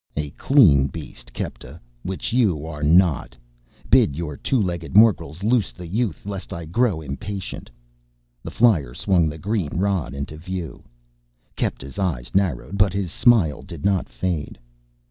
"A clean beast, Kepta, which you are not. Bid your two legged morgels loose the youth, lest I grow impatient." The flyer swung the green rod into view. Kepta's eyes narrowed but his smile did not fade.